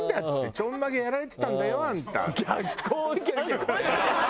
「ちょんまげやられてたんだよあんた」って。